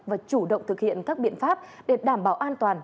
và chủ động thực hiện các biện pháp để đảm bảo an toàn